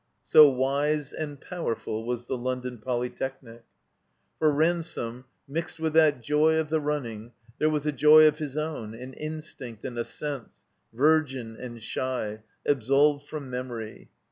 * So wise and powerful was the London Poly technic. For Ransome, mixed with that joy of the running, there was a joy of his own, an instinct and a sense, virgin and shy, absolved from memory.